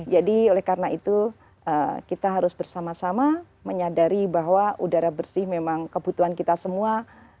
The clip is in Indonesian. jadi oleh karena itu kita harus bersama sama menyadari bahwa udara bersih memang kebutuhan kita semua